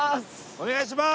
お願いしまーす！